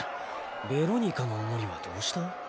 ベロニカのお守りはどうした？